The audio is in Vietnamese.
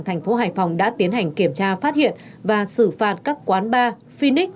thành phố hải phòng đã tiến hành kiểm tra phát hiện và xử phạt các quán bar phinic